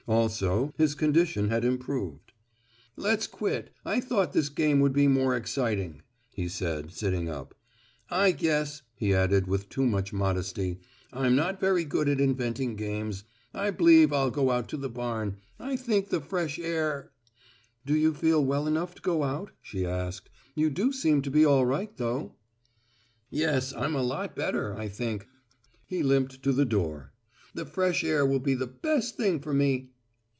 Also, his condition had improved. "Let's quit. I thought this game would be more exciting," he said, sitting up. "I guess," he added with too much modesty, "I'm not very good at inventing games. I b'lieve I'll go out to the barn; I think the fresh air " "Do you feel well enough to go out?" she asked. "You do seem to be all right, though." "Yes, I'm a lot better, I think." He limped to the door. "The fresh air will be the best thing for me."